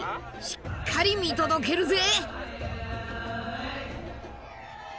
しっかり見届けるぜ！